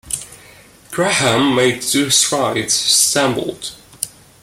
Graham made two strides, stumbled.